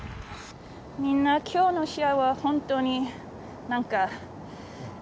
みんな今日の試合は本当に。